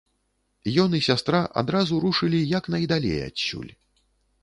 Ён і сястра адразу рушылі як найдалей адсюль.